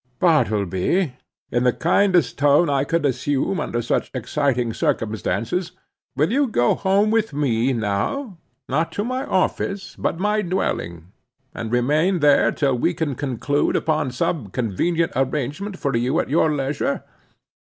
"Bartleby," said I, in the kindest tone I could assume under such exciting circumstances, "will you go home with me now—not to my office, but my dwelling—and remain there till we can conclude upon some convenient arrangement for you at our leisure?